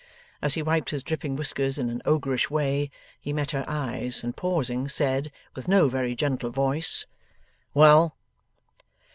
As he wiped his dripping whiskers in an ogreish way, he met her eyes, and pausing, said, with no very gentle voice: 'Well?